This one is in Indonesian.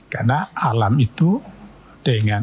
karena alam itu dengan